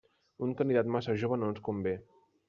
Un candidat massa jove no ens convé.